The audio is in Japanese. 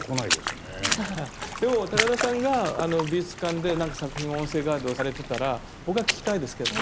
でも高田さんが美術館で何か作品音声ガイドをされてたら僕は聴きたいですけどね。